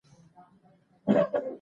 افغانستان په مېوې غني دی.